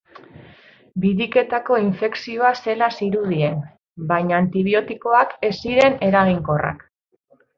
Biriketako infekzioa zela zirudien, baina antibiotikoak ez ziren eraginkorrak.